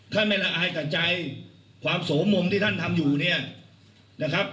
ไม่ละอายกับใจความโสมงที่ท่านทำอยู่เนี่ยนะครับ